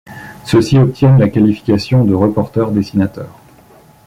Ceux-ci obtiennent la qualification de reporteurs-dessinateurs.